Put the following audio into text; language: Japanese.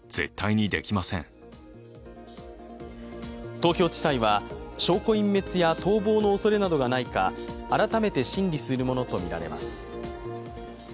東京地裁は証拠隠滅や逃亡のおそれなどがないか改めて審理するものとみられます。